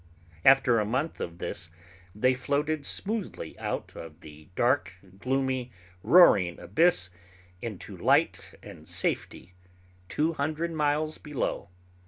After a month of this they floated smoothly out of the dark, gloomy, roaring abyss into light and safety two hundred miles below.